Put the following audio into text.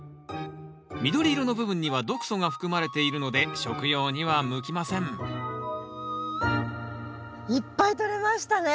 緑色の部分には毒素が含まれているので食用には向きませんいっぱいとれましたね。